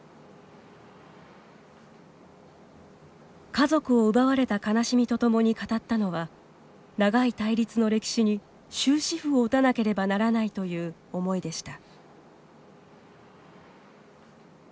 家族を奪われた悲しみとともに語ったのは長い対立の歴史に終止符を打たなければならないという思いでした。